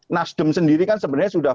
nasdem sendiri kan sebenarnya sudah